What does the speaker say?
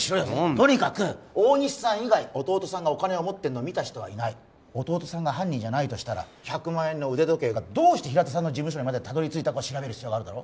とにかく大西さん以外弟さんがお金を持ってんの見た人はいない弟さんが犯人じゃないとしたら１００万円の腕時計がどうして平田さんの事務所にまでたどり着いたか調べる必要があるだろ？